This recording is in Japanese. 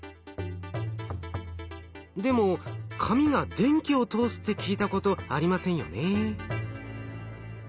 でも紙が電気を通すって聞いたことありませんよね。